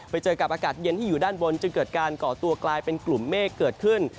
ไปเจอกับอากาศเย็นที่อยู่ด้านบนจึงเกิดการก่อตัวกลายเป็นกลุ่มเมฆเกิดขึ้น